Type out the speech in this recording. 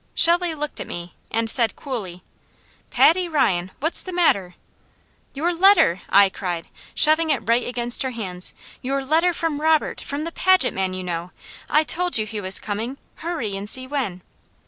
Shelley looked at me, and said coolly: "Paddy Ryan! What's the matter?" "Your letter!" I cried, shoving it right against her hands. "Your letter from Robert! From the Paget man, you know! I told you he was coming! Hurry, and see when!"